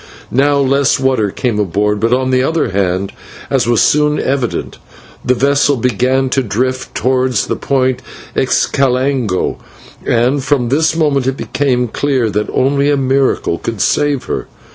Now less water came aboard, but on the other hand, as was soon evident, the vessel began to drift towards the Point Xicalango, and from this moment it became clear that only a miracle could save her.